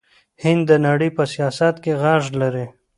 هند د نړۍ په سیاست کې غږ لري.